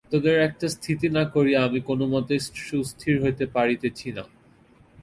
তোদের একটা স্থিতি না করিয়া আমি কোনোমতেই সুস্থির হইতে পারিতেছি না।